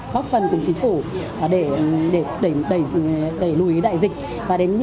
góp phần cùng chính phủ để đẩy đẩy đẩy đẩy đẩy đẩy đẩy đẩy đại dịch